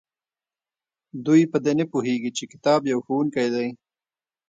دوی په دې نه پوهیږي چې کتاب یو ښوونکی دی.